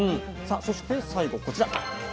さあそして最後こちら。